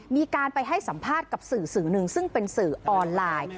มีการไปให้สัมภาษณ์กับสื่อสื่อหนึ่งซึ่งเป็นสื่อออนไลน์